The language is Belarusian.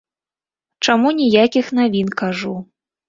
Чаму ніякіх навін, кажу.